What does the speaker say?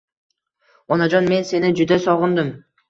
Onajon men seni juda sogindim